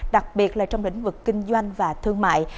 đặc biệt là trong lĩnh vực kinh doanh và thương mại